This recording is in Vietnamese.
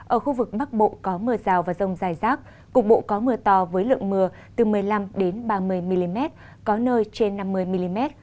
ở khu vực bắc bộ có mưa rào và rông dài rác cục bộ có mưa to với lượng mưa từ một mươi năm ba mươi mm có nơi trên năm mươi mm